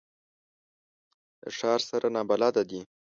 له ښار سره نابلده دي.